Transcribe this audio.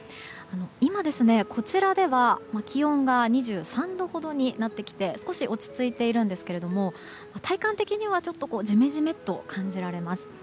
今、こちらでは気温が２３度ほどになってきて少し落ち着いているんですが体感的にはジメジメと感じられます。